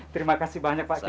terima kasih banyak pak kiai